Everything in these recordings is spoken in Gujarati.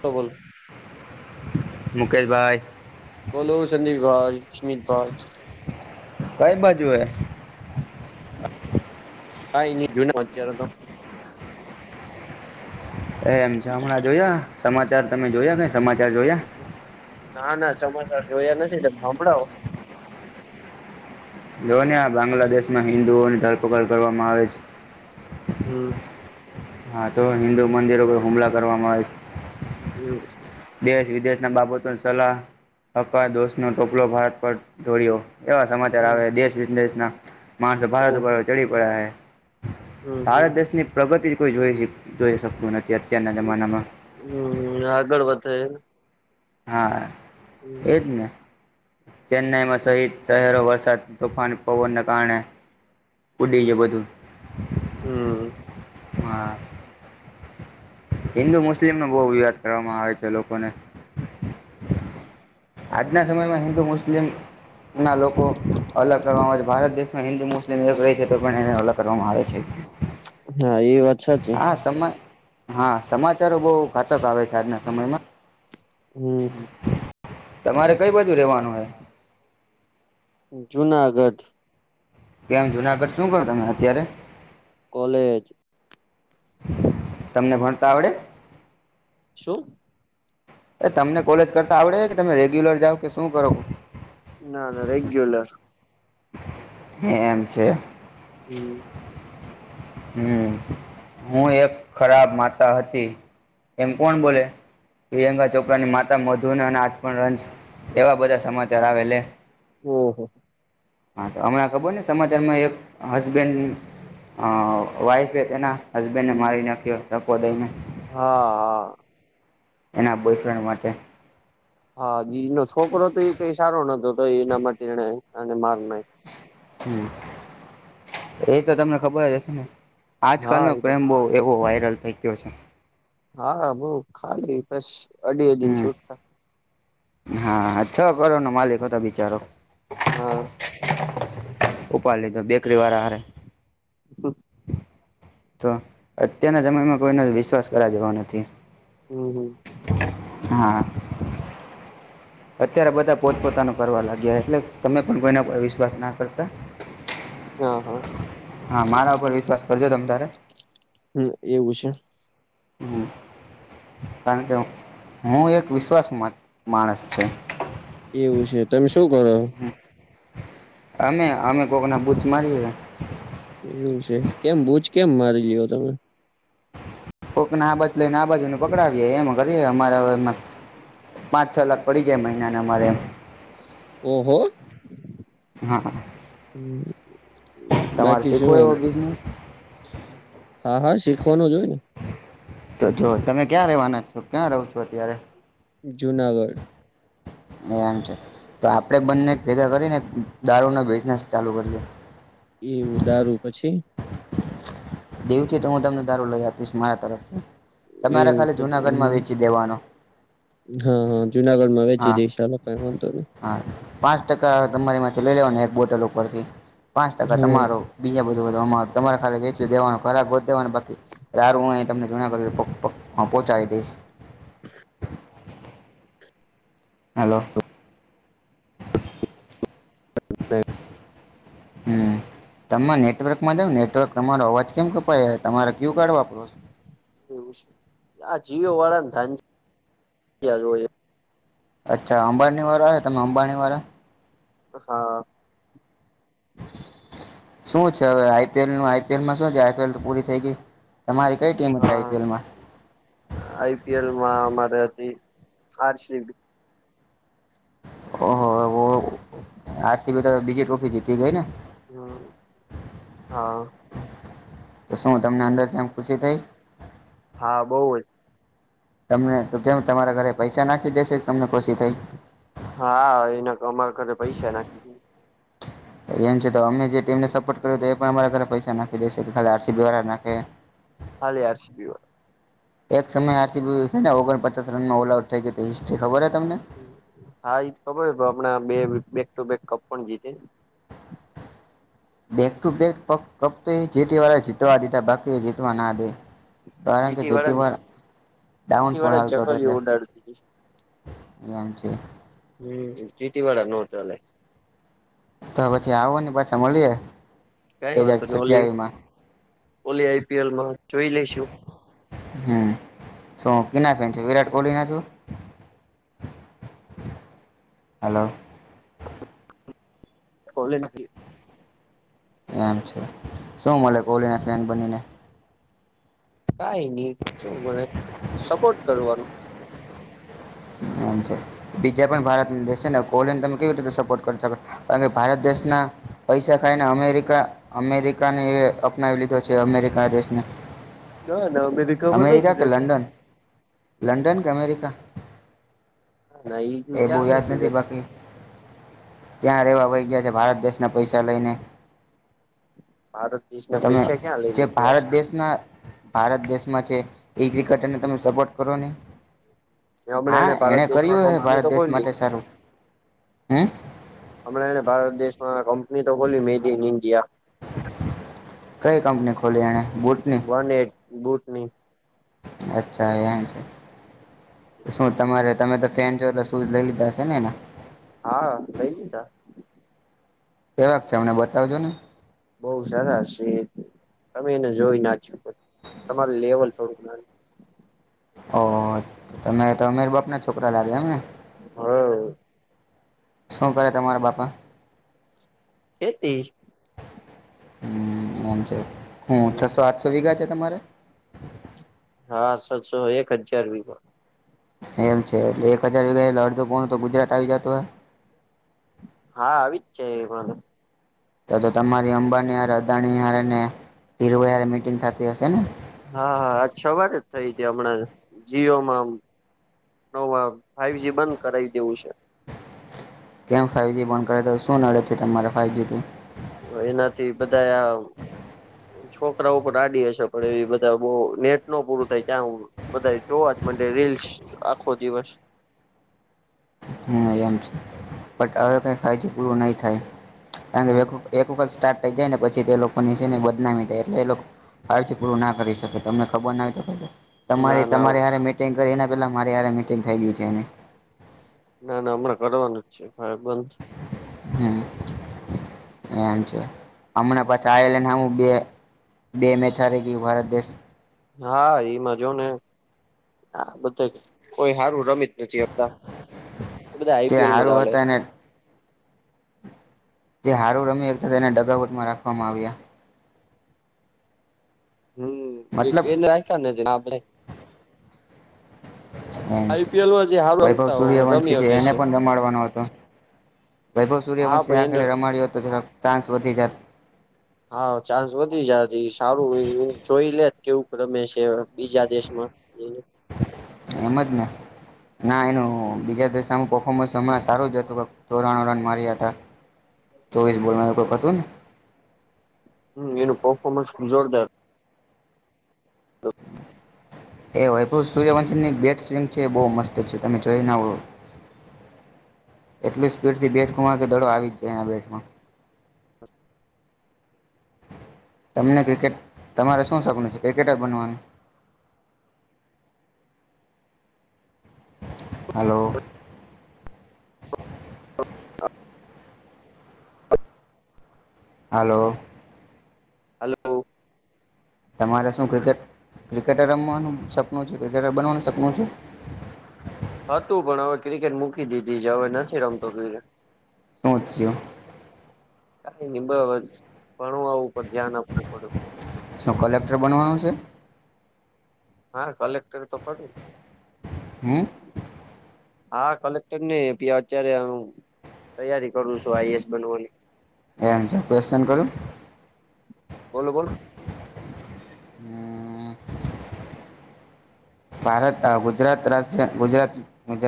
શ બોલ. મુકેશભાઈ. બોલો સંજીવ ભાઈ, શમિત ભાલ કઈ બાજુ, હ હા ઈન જુના વિચારો તો એમ છેામણાં જોયા સમાચાર તમે જોયા કઈ સમાચાર જોયા? ના ના સમાચાર જોયા નથી હંભળાઓ જોને આ બાંગ્લાદેશમાં હિન્ંદુઓની ધરપકડ કરવામાં આવે છે હમમ હા તો, હિન્દુ મંદિરો ઉપર હુમલા કરવામાં આવે એવું છે. દેશ વિદેશ ના બાબતોની સલાહ અફવા દોષનો ટોપલો ભારત પર ઢોળ્યો કેવા સમાચાર હમ આવે દેશ વિદેશના માણસો ભારત ઓહ ઉપર ચડી પડયા છે, હમ ભારત હમ દેશની પ્રગતિ કોઈ જોઈશ, જોઈ શકતું નથી અત્યારના જમાનામાં હમમ આગળ વધે હા એ જને ચેન્નાઈમાં સહિત શહેરો વરસાદ તોફાની પવનને કારણે ઉડી ગ્યું બધું. હમ હાઆ હિન્દુ, મુસ્લિમનો બહુ વિવાદ કરવામાં આવે છે લોકોને, આજના સમયમાં હિન્દુ મુસ્લિમ ના લોકો અલગ કરવામાં આવે છે. ભારત દેશમાં હિન્દુ મુસ્લિમ એક રહી છે તો, પણ એને અલગ કરવામાં આવે છે. હા એ વાત સાચી હા, સમા હા સમાચારો બહુ ઘાતક આવે છે. આજના સમયમાં, હમમ તમારે કઈ બાજુ રહેવાનું હૈ? જુનાગઢ કેમ? જુનાગઢ શું કરો તમે અત્યારે? કોલેજ તમને ભણતા આવડે? શું? એ તમને કોલેજ કરતા આવડે છે, કે તમે રેગ્યુલર જાવ કે શું કરો? ના ના રેગ્યુલર હે એમ છે હમ હમ, હું એક ખરાબ માતા હતી. એમ કોણ બોલે? પ્રિયંકા ચોપરાની માતા મધુન અને આચપન રંજ એવા બધા સમાચાર આવે લે. હહ હા, તો હમણા ખબરને સમાચારમાં એક હસબેન્ડ વાઈફ તેના હસબેન્ડને મારી નાખ્યો. ધક્કો દઈને હા હા એના બોયફ્રેન્ડ માટે હા જીનો છોકરો તો એ કઈ સારો નતો તો એના માટે એને માર નાખ હમ એ તો તમને ખબર જ હશે ને? હા આજકાલનો એ તો પ્રેમ બહુ એવો વાયરલ થઈ ગયો છે. હા બઉ ખાલી બસ અઢી અઢી હમ છૂટા હા છ કરોડ નો માલિક હતો બિચારો. હા ઉપાડ લીધો બેકરી વાળા હારે તો અત્યારના જમાનામા કોઈનો વિશ્વાસ કર્યા જેવો નથી. હં, હં. હા અત્યારે બધા પોતપોતાનું કરવા લાગ્યા એટલે, તમે પણ કોઈના પર વિશ્વાસ ના કરતા. હા હા હા, મારા ઉપર વિશ્વાસ કરજો તમે તારે. હં, એવું છે. હં, કારણ કે હું, હું એક વિશ્વાસમત માણસ છે. એવું છે. તમે શું કરો? અમે, અમે કોકના બૂથ મારીએ. એવું છે કેમ બૂજ કેમ મારી લીઓ તમે? કોકને આ બાજ લઈને આ બાજુુંનું પકડાવીએે, એમ કરીએે અમારે અવે એમાં. પાંચ છ લાખ પડી જાય મહિનાના, અમારે એમ. ઓહો! હા. તમારે બાકી શું શીખવો આમ એવો બિઝનેસ હા, શીખવાનું જ હોય ને! તો જો તમે ક્યાં રેવાના છો? ક્યાં રહો છો અત્યારે? જુનાગઢ. એમ છે. તો આપણે બંને ભેગા કરીને દારૂનો બિઝનેસ ચાલુ કરીએ. એવું, દારું પછી? દીવથી તો હું તમને દારું લઈ આપીશ, મારા તરફથી. તમારે એવું ખાલી પછી જુનાગઢમાં વેચી દેવાનો. હા હા જુનાગઢમાં વેચી હા, દઈશ ચાલો કઈ વાંધો નહી હા. પાંચ ટકા તમારી માથે લઈ લેવાના એક બોટલ ઉપરથી. પાંચ ટકા હા તમારો, બીજા બધું બધું અમારું. તમારે ખાલી વેચી દેવાનું, ખરાબ ગોત દેવાનું, બાકી દારુ હું આંઈ તમને જુનાગઢથી પોં પોં પોંહચાડી દઈશ. હલો. [inaudible] હમ. તમે નેટવર્કમાં જાવ, નેટવર્ક, તમારો અવાજ કેમ કપાય? તમારે ક્યુ કાર્ડ વાપરો છો? આ જીઓવાળાને ધાંધિયા જ હોય. અચ્છા અંબાણીવાળા હ તમે અંબાણીવાળા? હા. શું છે હવે આઈ પી એલનું? આઈ પી એલમાં શું છે? આઈ પી એલ તો પૂરી થઈ ગઈ. તમારી કઈ ટીમ હતી હા આઈપીએલમાં આઈ પી એલ માં અમારે હતી આર સી બી ઓહો હો. આર સી બી તો બીજી ટ્રોફી જીતી ગઈ ને! હમ્મ હા. તો શું તમને અંદરથી એમ ખુશી થઈ? હા, બઉ જ. તમને તો કેમ તમારા ઘરે પૈસા નાખી દેશે? તમને ખુશી થઈ? તો અમારા ઘરે પૈસા નાખી છે? એટલે એમ છે. તો અમે જે ટીમને સપોર્ટ કર્યો તો એ પણ અમારા ઘરે પૈસા નાખ નાખી દેશે, [unintelligible] આર સી બી વાળા નાખે એમ. ખાલી આર સી બી વાળા. એક સમયે આર સી બી છેને ઓગણપચાસ રનમાં ઓલ આઉટ થઈ જતી, હિસ્ટ્રી ખબર જ હા, ઈ ખબર હોય પણ હમણા બે બેક ટુ બેક કપ પણ જીતી ને! બેક ટુ બેક પક કપ તો એ જી ટી વાળાએ જીતવા દીધા, બાકીએ જીતવા ના દે. કારણ કે જીટી જી ટી વાળા પર ડાઉન જીટી ફોલ વાળા હાલતો તો એટલે. ચકલીઓ ઉડાડતી એમ છે. હમ્મ જી ટી વાળા નો ચાલે. તો પછી આવો ને, પાછા મળીએ. કઈ બે હજાર વાંધો નહી ઓલી સત્યાવી માં. ઓલી આઈપીએલમાં જોઈ લઈશુ. હમ્મ શું કેના ફેન છો? વિરાટ કોહલી ના છું? હલો કોલે નથી એમ છે. શું મલે કોલીના ફેન બનીને? કઈ નહી શું મને સપોર્ટ કરવાનું એમ છે બીજા પણ ભારત દેશ છે, ને પોલેન્ડ તમે કેવી રીતે સપોર્ટ કરી શકો છો કારણ કે ભારત દેશના પૈસા ખાઈને અમેરિકા અમેરિકા રિકાને એ અપનાવી લીધો છે, અમેરિકા દેશને ના ના અમેરિકામાં અમેરિકા નથી કે રેતા લંડન લંડન કે અમેરિકા? ના ઈ એ બહ ક્યાં યાદ નથી રેતા બાકી ત્યાં રેવા હોય, ગયા છે, ભારત દેશના પૈસા લઈને, ભારત દેશ તો ના તમે પૈસા ક્યાં જે લઈને ગયા ભારત દેશના ભારત દેશમાં છે, એ ક્રિકેટરને તમે સપોર્ટ કરોને છે હમણાં હા, એને એણે ભારત દેશમાં કર્યું હ કંપની ભારત તો દેશ ખોલી માટે સારું હમ હમણાં એને ભારત દેશમાં કંપની તો બોલી મેડ ઇન ઇન્ડિયા કઈ કંપની ખોલી એણે બૂટની વન એટ [unintelligible] અચ્છા એમ છે, શું તમારે તમે તો ફેન જો એટ શૂઝ લઈ લધ જસનેના હા, લઈ જતાા કેવાક છે, અમને બતાવજો ને બઉ સારા છે, તમે એને જોઈ નાખ્યું તમારું લેવલ થોડું ઓહ, તમેં તો અરા બાપના છોકરા લાગ્યા એમને [unintelligible] શું કરે તમારા બાપા? ખેતી હમ્મ એમ છે, હું છસો આઠસો વીઘા છે તમારે? હા, છસો એક હજાર વીઘા એમ છે, એટલે એક હજાર વગ અડધો કોણ તો ગુજરાત આવી જતું હોય, હા, આવી જ છે પણ તો તો તમારી અંબાનીયાર અદાણીયારને ધરવાર મીટિંગ થતી હશે ને હા હા છ વાર જ થઈ હતી હમણાં જીઓમાંમ ન વા ફાઈવ જ બંધ કરાઈ દેવું છે, કેમ ફાઈઇવજી બોન કરે તો શું નડદ છે, તમારે ફાઈઇવજી થી એનાથી બધા આ છોકરા ઉપર રાડી હશે પણ એ બધા બ નેટ ન પૂરું થાય ત્યાં હ બધા જોવા જ [unintelligible] રીલ્સ આખો દિવસ હું એમ છે પણટ હવે કંઈ ફાળજી પૂરું નહીં થાય હમ [unintelligible] એક વખત સ્ટાટ ઈ જાય ને પછી તે લોકોની છે, ને બદનામી થાય એટલે એ લોકો કાળજી પૂરું ના કરી શકે તમને ખબર ન હોય તો ક ના તમારી ના તમારેારે મિટિંગ કરી એના પેલા મારે મિટિંગ થઈ ગઈ છે, એને ના ના હમણાં કરવાનું જ છે, ખ બંધ હમ એમ છે, હમણાં પછી આવેલા ને હું બે બે મેચ હારી ગઇ ભારત દેશ હા, એમાં જો ને આ બધે કોઈ સારું રમ એ બધા જે આઈપીએલ હારું મજા લે હતા એને તે હારું રમી વતા તેને ડગાવટમાં રાખવામાં આવ્યા, હમ્મ મતલબ એને રાખતા નથી આપડે એમ છે વૈભવ સૂર્યવંશ રમી કે જે શકે એને છે પણ રમાડવાનો હતો. વૈભવ હા સૂર્યવંશી પણ આખરે એને રમાડ્યો તો તેનો ચાન્સ વધી જાત. હા ચાન્સ વધી જાત એ સારું એ જોઈ લેત કેવું રમે છે એમ. એમ જ ને ના એનું બીજા દિવસ આમ પો ફોમન્સ હમણાં સારું જ હતું કે ચોરાણું રન માર્યાતા. ચોવીસ બોર્ડમાં કોઈક હતુંન. હમ, એનું પરફોર્મન્સ જોરદાર. એ હોય તો સૂર્યવંશનની બેટ સ્વિંગ છે બહુ મસ્ત છે તમે જોઈન આવો. એટલી સ્પીડથી બેટ ગુમાવે કે દડો આવી જ જાય એના બેટમાં. હશ તમને ક્રિકેટ તમારે શું સપનું છે ક્રિકેટર બનવાનું. એ છે હલો. હા. હાલો. હલો. તમારે શું ક્રિકેટ ક્રિકેટર રમવાનું સપનું છે ક્રિકેટર બનવાનું સપનું છે. હતું પણ હવે ક્રિકેટ મૂકી દીધી છે હવે નથી રમતો ક્રિકેટ. શોસીયો કઈ નહી બવ ઘણું અ વ ઉપર ધ્યાન આપવું પડ શું કલેક્ટર બનવાનું છે હા કલેક્ટર તો ફડવું હમ. હા કલેક્ટર ને [unintelligible] અત્યારે તૈયારી કરું છું આઈસ બનવાની. એમ છે ક્વેશ્ચન કરું બોલો બોલો. હમ ભારત આ ગુજરાતના ગુજરાત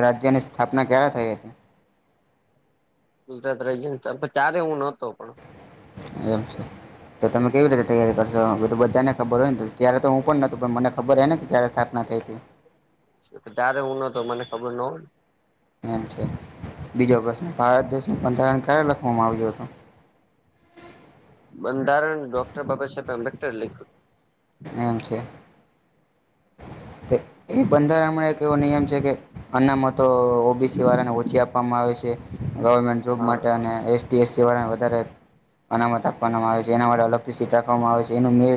રાજ્યની સ્થાપના ક્યારે થઈ હતી. કુલતા રાજે ત્યાં પણ ત્યારે હું નતો પણ. એમ છે તો તમે કેવી રીતે તૈયારી કર હ હવે તો બધાને ખબર હોય ને તે ત્યારે તો હું પણ નતો પણ મને ખબર હ ને કે ક્યારે સ્થાપના થઈ હતી તારે હું નતો મને ખબર ન હોય. એમ છે બીજો પ્રશ્ન ભારત દેશનું બંધારણ ક્યારે લખવામાં આવ્યું હતું. બંધારણ ડોક્ટર બાબા સાહેબ આંબેડકરે લયખું એમ તે ઈ બંધારણ મે એવો નિયમ છે કે અનામતો ઓબીસી વારાને ઓછી આપવામાં આવે છે. ગવર્મેન્ટ જોબ હા માટે અને એસટી એસસી વાળા વધારે અનામત આપવાનામાં આવે છે એના માટે અલગથી સીટ રાખવામાં આવે છે એનું મે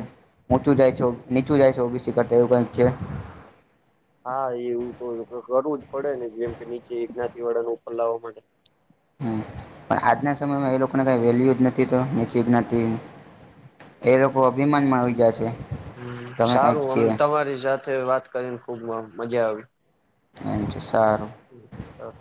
ઊંચું જાય છે ઓબ નીચું જાય છે ઓબીસી કરતા એવું કઈક છે. હા એવું તો કરવું જ પડે ને જેમ કે નીચે જ્ઞાતિ વાળા લોકો લાવવા માટે. હમ, પણ આજના સમયમાં એ લોકોને કઈ વેલ્યુ જ નથી તો નીચું જ નથી. એ લોકો અભિમાન માં આવી ગયા છે. હમ તમે કાંઈક સારું અમ છીએ તમારી સાથે વાત કરીન ખુબ મા મજા આવી. આવી જશ એ આ